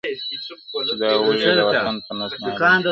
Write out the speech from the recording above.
• چي دا وږي د وطن په نس ماړه وي..